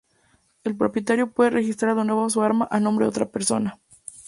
El propietario puede registrar de nuevo su arma a nombre de otra persona.